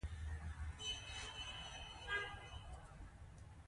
چیرته ژوبل په نېزه یې